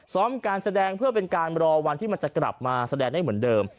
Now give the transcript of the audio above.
การแสดงเพื่อเป็นการรอวันที่มันจะกลับมาแสดงได้เหมือนเดิม